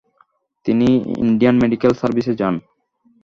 তিনি Indian medical সারভিসে যান।